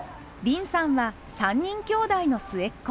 凜さんは３人きょうだいの末っ子。